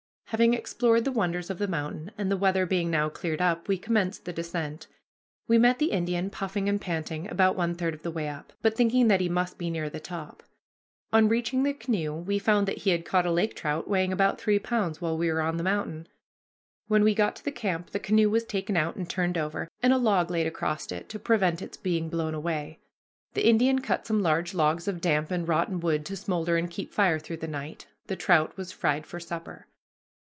Having explored the wonders of the mountain, and the weather being now cleared up, we commenced the descent. We met the Indian, puffing and panting, about one third of the way up, but thinking that he must be near the top. On reaching the canoe we found that he had caught a lake trout weighing about three pounds, while we were on the mountain. When we got to the camp, the canoe was taken out and turned over, and a log laid across it to prevent its being blown away. The Indian cut some large logs of damp and rotten wood to smoulder and keep fire through the night. The trout was fried for supper.